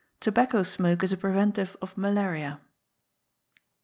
Tobacco smoke is a preventive of malaria.